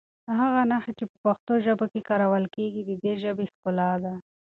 هغه نښې چې په پښتو ژبه کې کارول کېږي د دې ژبې ښکلا ده.